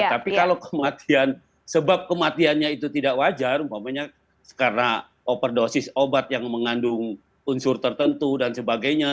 tapi kalau kematian sebab kematiannya itu tidak wajar umpamanya karena overdosis obat yang mengandung unsur tertentu dan sebagainya